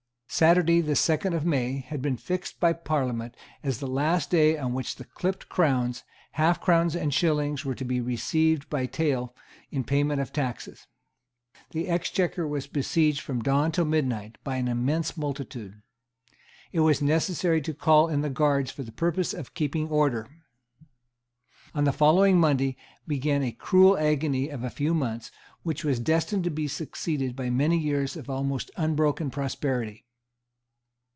Saturday, the second of May, had been fixed by Parliament as the last day on which the clipped crowns, halfcrowns and shillings were to be received by tale in payment of taxes. The Exchequer was besieged from dawn till midnight by an immense multitude. It was necessary to call in the guards for the purpose of keeping order. On the following Monday began a cruel agony of a few months, which was destined to be succeeded by many years of almost unbroken prosperity.